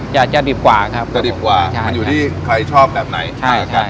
จะจะดิบกว่าครับจะดิบกว่าใช่มันอยู่ที่ใครชอบแบบไหนใช่